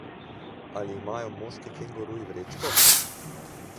Ali imajo moški kenguruji vrečko?